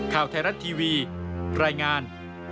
ข่าวไทยรัฐทีวีรายงาน